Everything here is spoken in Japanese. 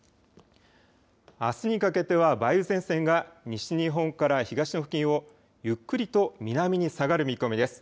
あすにかけては梅雨前線が西日本から東の付近をゆっくりと南に下がる見込みです。